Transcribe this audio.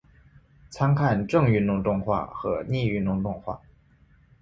参看正运动动画和逆运动动画。